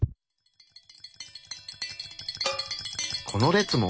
この列も！